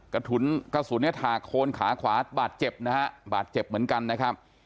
กระสุนกระสุนเนี่ยถากโคนขาขวาบาดเจ็บนะฮะบาดเจ็บเหมือนกันนะครับ